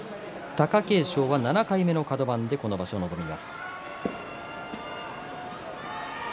貴景勝は７回目のカド番でこの場所に臨みます。